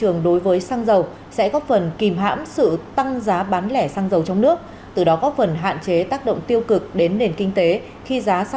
ổn định thị trường xăng dầu trong nước và kiềm chế lạm phát